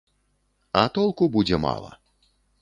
А толку будзе мала.